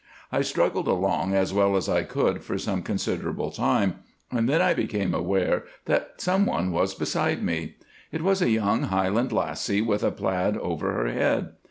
I struggled along as well as I could for some considerable time, and then I became aware that someone was beside me. It was a young Highland lassie with a plaid over her head.